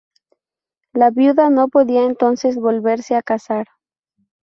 La viuda no podía entonces volverse a casar.